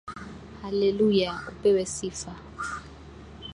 Hallelujah upewe sifa